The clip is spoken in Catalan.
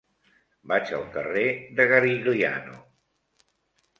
Vaig al carrer de Garigliano.